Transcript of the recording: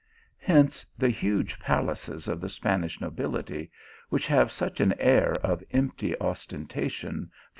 1 Icnce the huge palaces of the Spanish nobility, which have such an air of empty ostentation from 186 THE ALUAMBRA.